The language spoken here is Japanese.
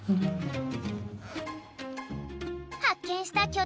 はっけんしたきょ